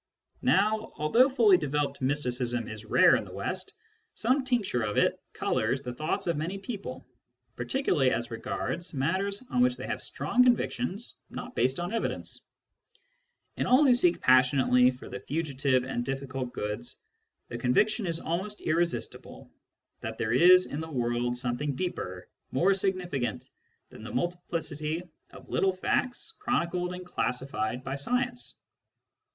Now, although fully developed mysticism is rare in the West, some tincture of it colours the thoughts of many ^ Cf, Burnet, Early Greek Philosophy, pp. 85 ff. Digitized by Google 20 SCIENTIFIC METHOD IN PHILOSOPHY people, particularly as regards matters on which they have strong convictions not based on evidence. In aU who seek passionately for the fugitive and difficult goods, the conviction is almost irresistible that there is in the world something deeper, more significant, than the multi plicity of little facts chronicled and classified by science.